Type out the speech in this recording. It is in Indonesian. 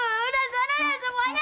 udah senang ya semuanya